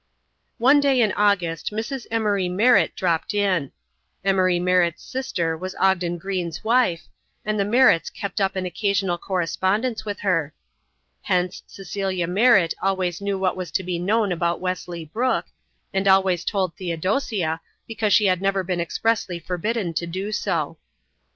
One day in August Mrs. Emory Merritt dropped in. Emory Merritt's sister was Ogden Greene's wife, and the Merritts kept up an occasional correspondence with her. Hence, Cecilia Merritt always knew what was to be known about Wesley Brooke, and always told Theodosia because she had never been expressly forbidden to do so.